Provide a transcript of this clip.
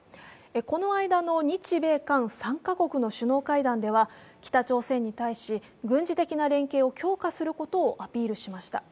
この間の日米韓３か国の首脳会談では、北朝鮮に対し、軍事的な連携を強化することをアピールしました。